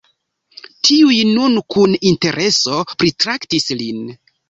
Tiuj nun kun intereso pritraktis lin.